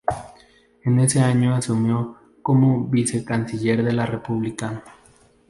En ese año asumió como vicecanciller de la República.